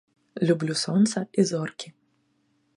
Люблю сонца і зоркі.